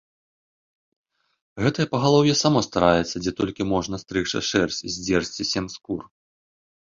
Гэтае пагалоўе само стараецца, дзе толькі можа стрыгчы шэрсць і здзерці сем скур.